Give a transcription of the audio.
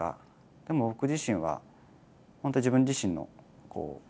でも僕自身は本当に自分自身の評価